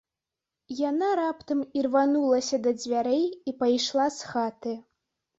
Яна раптам ірванулася да дзвярэй і пайшла з хаты.